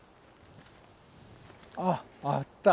あっあった。